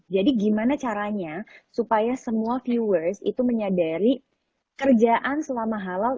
jadi gimana caranya supaya semua viewers itu menyadari kerjaan selama halal